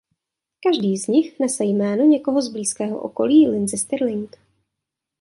Každý z nich nese jméno někoho z blízkého okolí Lindsey Stirling.